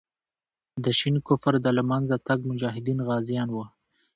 د شین کفر د له منځه تګ مجاهدین غازیان وو.